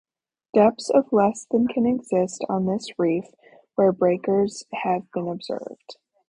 Depths of less than can exist on this reef where breakers have been observed.